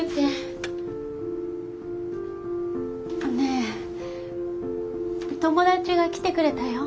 ねえ友だちが来てくれたよ。